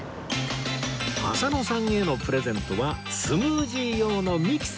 浅野さんへのプレゼントはスムージー用のミキサー